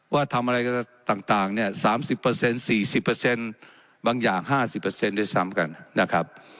ว่าทำอะไรต่างเนี่ย๓๐๔๐บางอย่าง๕๐ด้วยซ้ำกันนะครับ